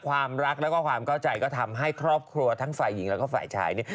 ความรักแล้วก็ความเข้าใจก็ทำให้ครอบครัวทั้งฝ่ายหญิงแล้วก็ฝ่ายชายเนี่ย